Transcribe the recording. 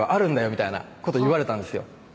みたいなこと言われたんですよ